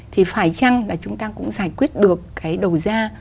thì phải chăng là chúng ta cũng giải quyết được cái đầu ra